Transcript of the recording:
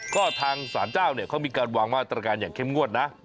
ก็ทางสารเจ้าเนี่ยเขามีการวางมาตรการอย่างเข้มงวดนะ